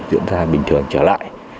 diễn ra bình thường trở lại